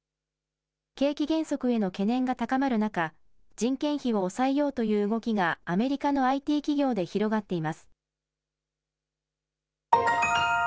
景気減速への懸念が高まる中、人件費を抑えようという動きがアメリカのＩＴ企業で広がっています。